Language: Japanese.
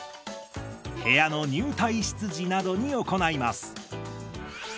部屋の入退室時などに行います。